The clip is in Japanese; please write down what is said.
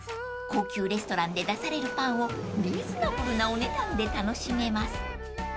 ［高級レストランで出されるパンをリーズナブルなお値段で楽しめます］